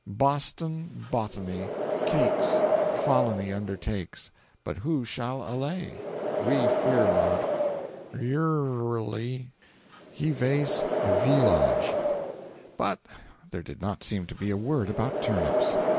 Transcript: Boston, botany, cakes, folony undertakes, but who shall allay? We fear not. Yrxwly, HEVACE EVEELOJ.' "But there did not seem to be a word about turnips.